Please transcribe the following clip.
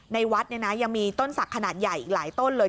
ในวัดเนี่ยนะยังมีต้นศักดิ์ขนาดใหญ่อีกหลายต้นเลย